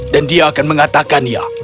dan dia akan mengatakannya